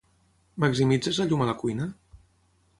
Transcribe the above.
Maximitzes la llum a la cuina?